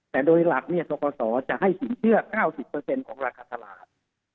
แต่โดยหลักทกศจะให้สินเชื่อ๙๐ของราคาตลาด